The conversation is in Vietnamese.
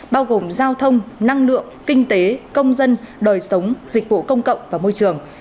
bao gồm giao thông năng lượng kinh tế công dân đời sống dịch vụ công cộng và môi trường